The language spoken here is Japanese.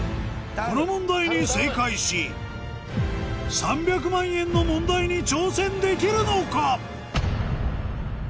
この問題に正解し３００万円の問題に挑戦できるのか？